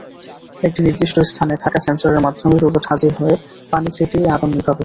একটি নির্দিষ্ট স্থানে থাকা সেন্সরের মাধ্যমে রোবট হাজির হয়ে পানি ছিটিয়ে আগুন নিভাবে।